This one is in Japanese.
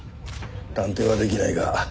断定はできないが。